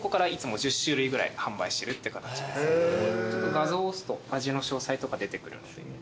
画像を押すと味の詳細とか出てくるので。